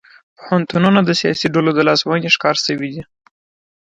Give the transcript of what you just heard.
پوهنتونونه د سیاسي ډلو د لاسوهنې ښکار شوي دي